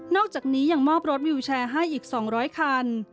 อกจากนี้ยังมอบรถวิวแชร์ให้อีก๒๐๐คัน